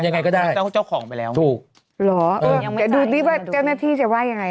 ยังไงก็ได้เจ้าของไปแล้วถูกหรอเออแต่ดูนี้ว่าเจ้าหน้าที่จะว่ายังไง